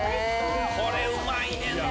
これうまいねんな。